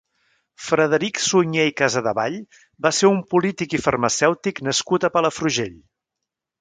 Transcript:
Frederic Suñer i Casadevall va ser un polític i farmacèutic nascut a Palafrugell.